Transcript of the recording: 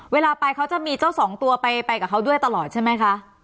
เวลาไปเขาจะมีเจ้าสองตัวไปกับเขาด้วยตลอดใช่ไหมคะ